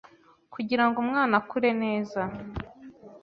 kugira ngo umwana akure neza